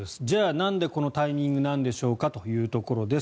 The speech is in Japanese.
なんでこのタイミングなんでしょうかというところです。